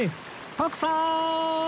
徳さん！